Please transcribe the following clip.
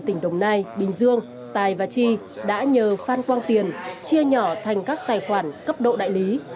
tỉnh đồng nai bình dương tài và chi đã nhờ phan quang tiền chia nhỏ thành các tài khoản cấp độ đại lý